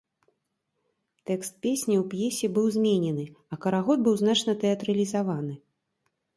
Тэкст песні у п'есе быў зменены, а карагод быў значна тэатралізаваны.